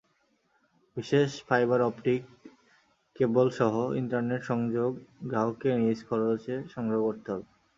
বিশেষ fibre optic কেব্লসহ internet সংযোগ গ্রাহককেই নিজ খরচে সংগ্রহ করতে হবে।